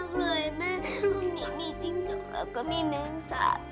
เป็นยังไงมากเลยแม่ลูกนิ้งมีจิ้งจังแล้วก็มีแม่งสาดด้วย